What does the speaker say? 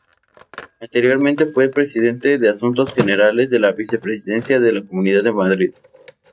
Anteriormente fue viceconsejero de Asuntos Generales de la Vicepresidencia de la Comunidad de Madrid.